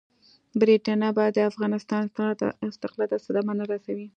برټانیه به د افغانستان استقلال ته صدمه نه رسوي.